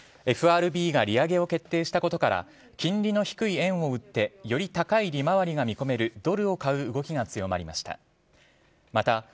ＦＲＢが利上げを決定したことから金利の低い円を売ってより高い利回りが見込めるドルを買う動きが強まりました。